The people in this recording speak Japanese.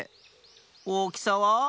おおきさは？